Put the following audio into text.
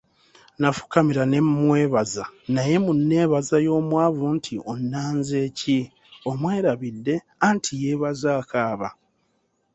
Nafukamira ne mmwebaza naye mu neebaza y'omwavu nti "onnanze ki?" omwerabidde, anti yeebaza akaaba.